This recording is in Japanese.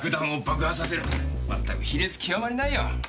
まったく卑劣極まりないよ。